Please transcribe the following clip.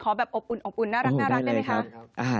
ขอแบบอบอุ่นน่ารักได้ไหมคะ